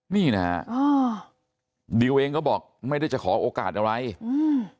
นี่นะฮะอ๋อดิวเองก็บอกไม่ได้จะขอโอกาสอะไรอืม